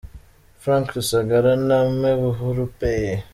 Frank Rusagara na Me Buhuru P.